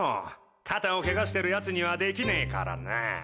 肩をケガしてるやつにはできねえからな。